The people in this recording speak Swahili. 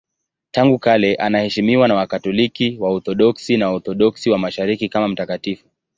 Tangu kale anaheshimiwa na Wakatoliki, Waorthodoksi na Waorthodoksi wa Mashariki kama mtakatifu.